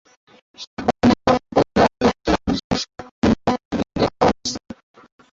সাতকানিয়া উপজেলার দক্ষিণাংশে সাতকানিয়া ইউনিয়নের অবস্থান।